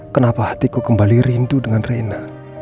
kenapa hatiku kembali rindu dengan reina